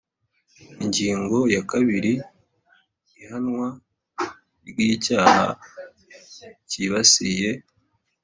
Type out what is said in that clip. Ingingo ya kabiri Ihanwa ry icyaha cyibasiye